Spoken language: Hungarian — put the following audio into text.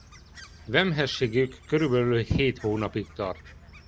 Vemhességük körülbelül hét hónapig tart.